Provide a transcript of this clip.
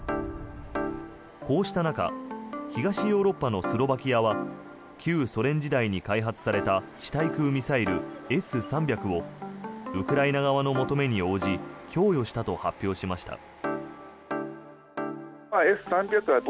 こうした中東ヨーロッパのスロバキアは旧ソ連時代に開発された地対空ミサイル、Ｓ３００をウクライナ側の求めに応じ供与したと発表しました。